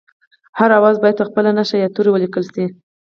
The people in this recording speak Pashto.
هر آواز باید په خپله نښه یا توري ولیکل شي